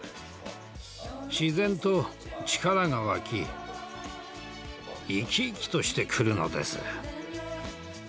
自然と力が湧き生き生きとしてくるのです。